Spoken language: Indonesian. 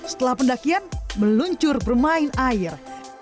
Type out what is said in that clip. setelah pendakian meluncur bermain air